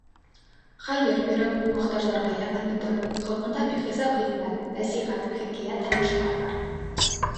Хәйер биреү, мохтаждарға ярҙам итеү хаҡында бихисап хикмәт, нәсихәт, хикәйәт һәм башҡалар бар.